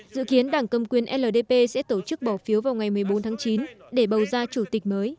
dự kiến đảng cầm quyền ldp sẽ tổ chức bỏ phiếu vào ngày một mươi bốn tháng chín để bầu ra chủ tịch mới